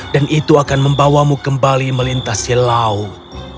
dan itu akan membawamu kembali melintasi laut